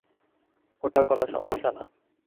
ওটা কোনো সমস্যা না।